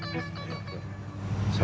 ma kita pulang sekarang aja yuk